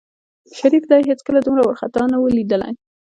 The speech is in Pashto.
شريف دى هېڅکله دومره وارخطا نه و ليدلى.